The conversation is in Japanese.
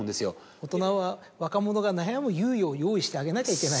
大人は若者が悩む猶予を用意してあげなきゃいけない。